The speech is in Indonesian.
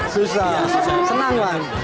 susah senang kan